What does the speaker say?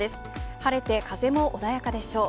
晴れて、風も穏やかでしょう。